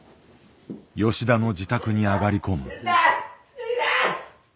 吉田の自宅に上がり込む。